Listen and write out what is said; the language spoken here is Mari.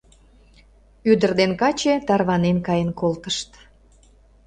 Ӱдыр ден каче тарванен каен колтышт.